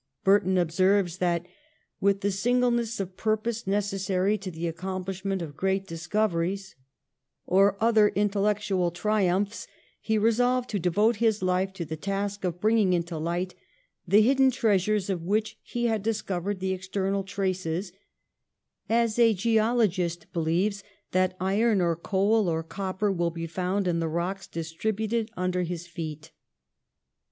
Burton observes that 'With the singleness of purpose necessary to the accomplishment of great discoveries or other in tellectual triumphs, he resolved to devote his hfe to the task of bringing into light the hidden treasures, of which lie had discovered the external traces as a geologist believes that iron or coal or copper will be found in the rocks distributed under his feet.